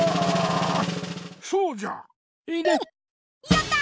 やった！